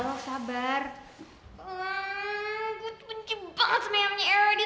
oh ya tuhan oi